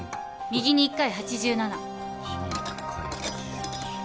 右に１回８７。